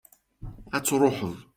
ad truḥeḍ